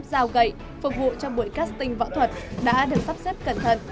rào gậy phục vụ cho buổi casting võ thuật đã được sắp xếp cẩn thận